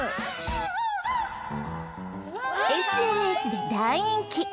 ＳＮＳ で大人気！